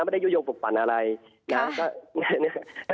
ไม่ได้โค้งปรุปรรรณอะไรนะคะ